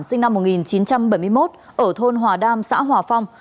sinh năm một nghìn chín trăm bảy mươi một ở thôn hòa đam xã hòa phong